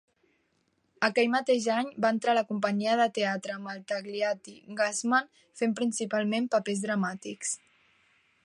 Aquell mateix any, va entrar a la companyia de teatre Maltagliati-Gassman, fent principalment papers dramàtics.